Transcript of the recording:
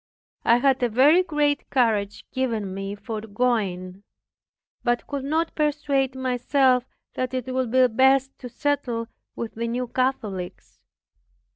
I had a very great courage given me for going, but could not persuade myself that it would be best to settle with the New Catholics.